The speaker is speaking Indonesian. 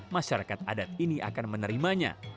masyarakat adat ini akan menerimanya